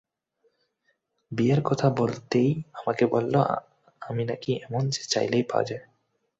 বিয়ের কথা বলতেই আমাকে বলল, আমি নাকি এমন যে, চাইলেই পাওয়া যায়।